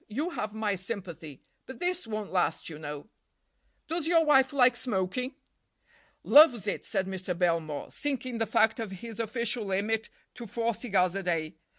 You have my sympathy. But this won't last, you know." "Does your wife like smoking?" "Loves it," said Mr. Belmore, sinking the fact of his official limit to four cigars a day.